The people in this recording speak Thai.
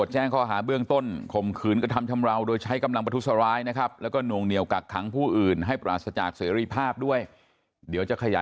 ชอบเล่นเปิดหนังโตดูอะไรด้วย